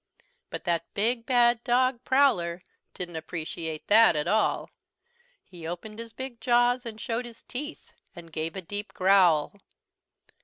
But that big bad dog Prowler didn't appreciate that at all. He opened his big jaws and showed his teeth and gave a deep growl.